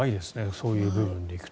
そういう部分でいくと。